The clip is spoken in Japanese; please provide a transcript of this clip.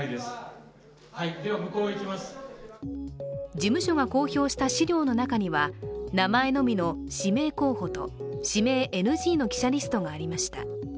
事務所が公表した資料の中には名前のみの指名候補と指名ＮＧの記者リストがありました。